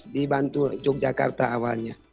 dibantu yogyakarta awalnya